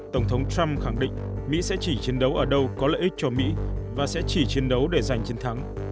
tổng thống trump khẳng định mỹ sẽ chỉ chiến đấu ở đâu có lợi ích cho mỹ và sẽ chỉ chiến đấu để giành chiến thắng